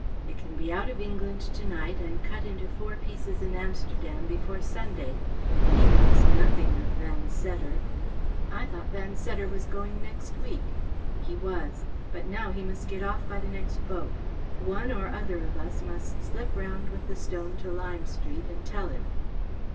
It can be out of England to night and cut into four pieces in Amsterdam before Sunday. He knows nothing of Van Seddar.‚ÄĚ " I thought Van Seddar was going next week.‚ÄĚ ‚ÄĚ He was. But now he must get off by the next boat. One or other of us must slip round with the stone to Lime Street and tell him.